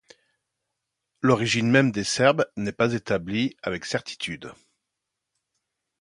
L’origine même des Serbes n’est pas établie avec certitude.